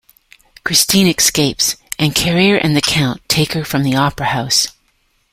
Christine escapes, and Carriere and the Count take her from the Opera House.